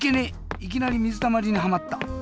いきなりみずたまりにはまった。